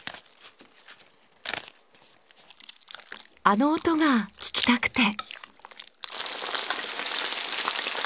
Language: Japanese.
あの音が聞きたくて。